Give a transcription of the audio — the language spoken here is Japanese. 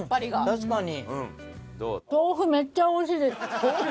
確かに。